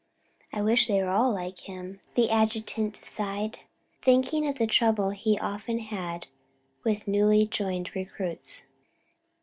"I wish they were all like him," the adjutant sighed, thinking of the trouble he often had with newly joined recruits.